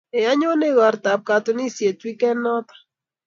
Ee, anyoni igortab katunisyet weekend nitok.